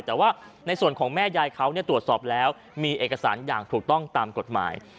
แต่ว่าในส่วนของแม่ยายเขาตรวจสอบแล้วมีเอกสารอย่างถูกต้องตามกฎหมาย